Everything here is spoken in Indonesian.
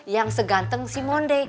yang seganteng si moni